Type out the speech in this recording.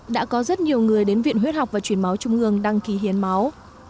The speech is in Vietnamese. đã có rất nhiều người đến viện huyết học và chuyển máu trung ương đăng ký hiến máu